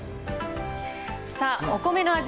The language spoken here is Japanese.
さあ、お米の味